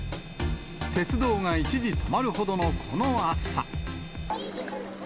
鉄道が一時止まるほどのこの暑さ。